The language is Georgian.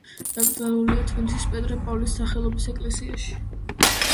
დაკრძალულია თბილისის პეტრე-პავლეს სახელობის ეკლესიაში.